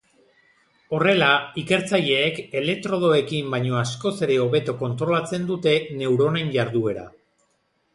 Horrela, ikertzaileek elektrodoekin baino askoz ere hobeto kontrolatzen dute neuronen jarduera.